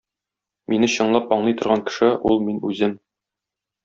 Мине чынлап аңлый торган кеше – ул мин үзем.